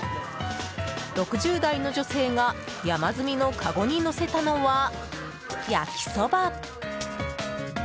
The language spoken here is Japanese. ６０代の女性が山積みのかごに載せたのは、焼きそば。